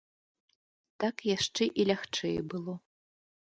Так яшчэ і лягчэй было.